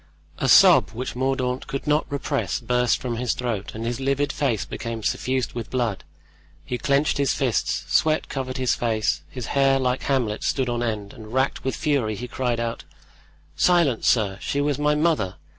A sob which Mordaunt could not repress burst from his throat and his livid face became suffused with blood; he clenched his fists, sweat covered his face, his hair, like Hamlet's, stood on end, and racked with fury he cried out: "Silence, sir! she was my mother!